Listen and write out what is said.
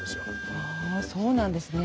ああそうなんですね。